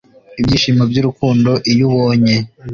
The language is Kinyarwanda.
ibyishimo by'urukundo iyo ubonye